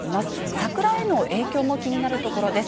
桜への影響も気になるところです。